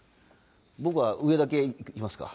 僕は上だけいきますか？